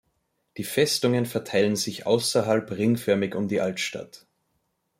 Die Festungen verteilen sich außerhalb ringförmig um die Altstadt.